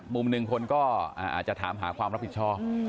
มุมหนึ่งคนก็อาจจะถามหาความรับผิดชอบ